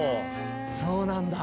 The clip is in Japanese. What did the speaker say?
そうなんだ。